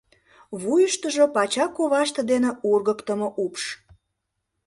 Вуйыштыжо пача коваште дене ургыктымо упш.